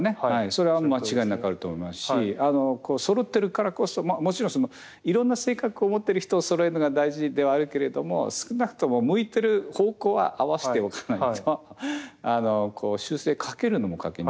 それは間違いなくあると思いますしそろってるからこそもちろんいろんな性格を持ってる人をそろえるのが大事ではあるけれども少なくとも向いてる方向は合わせておかないと修正かけるのもかけにくいっていうね。